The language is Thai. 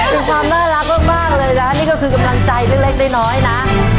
เป็นความน่ารักมากเลยนะนี่ก็คือกำลังใจเล็กน้อยนะ